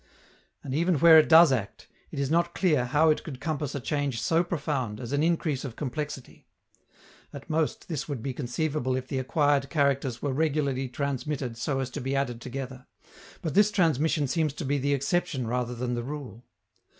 And even where it does act, it is not clear how it could compass a change so profound as an increase of complexity: at most this would be conceivable if the acquired characters were regularly transmitted so as to be added together; but this transmission seems to be the exception rather than the rule.